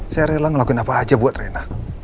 saya rela ngelakuin apa aja buat rena